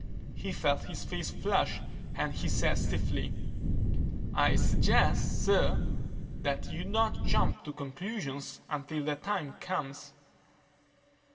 He felt his face flush and he said stiffly, "I suggest, sir, that you not jump to conclusions until that time comes."